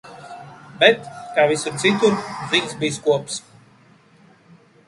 Bet, kā visur citur, ziņas bija skopas.